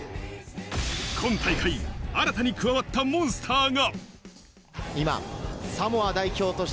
今大会、新たに加わったモンスターが。